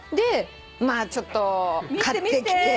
まあちょっと買ってきて。